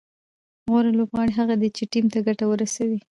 غوره لوبغاړی هغه دئ، چي ټیم ته ګټه ورسوي.